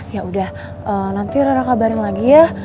ya udah nanti rora kabarin lagi ya